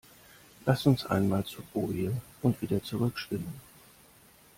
Lass uns einmal zur Boje und wieder zurück schwimmen.